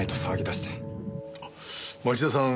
町田さん